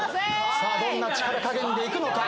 さあどんな力加減でいくのか！？